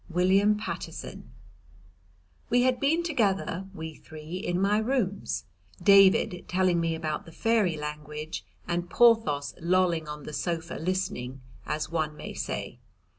William Paterson We had been together, we three, in my rooms, David telling me about the fairy language and Porthos lolling on the sofa listening, as one may say.